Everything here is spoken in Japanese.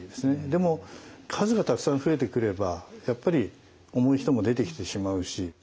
でも数がたくさん増えてくればやっぱり重い人も出てきてしまうし。